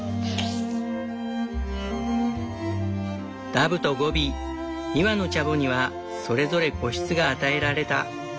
ダブとゴビ２羽のチャボにはそれぞれ個室が与えられた。